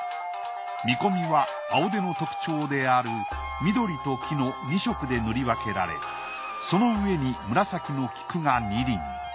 見込みは青手の特徴である緑と黄の２色で塗り分けられその上に紫の菊が２輪。